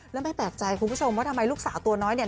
แล้วไม่แปลกใจคุณผู้ชมว่าทำไมลูกสาวตัวน้อยเนี่ย